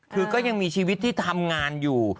คือก็ยังมีชีวิตที่ทำงานอยู่